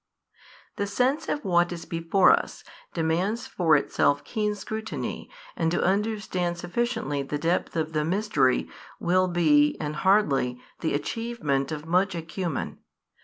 The sense of what is before us demands for itself keen scrutiny and to understand sufficiently the depth of the mystery will be (and hardly) the achievement of much acumen.